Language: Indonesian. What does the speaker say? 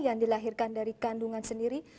yang dilahirkan dari kandungan sendiri